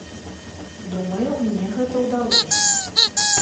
Думаю, мне гэта ўдалося.